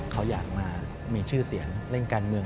เขาอยากมามีชื่อเสียงเล่นการเมือง